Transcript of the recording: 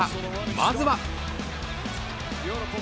まずは。